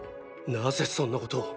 なぜそんなことを？